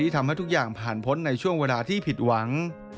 จะหันพ้นในช่วงเวลาที่ผิดหวัง